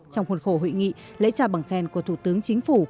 trong khuôn khổ hội nghị lễ trà bằng khen của thủ tướng chính phủ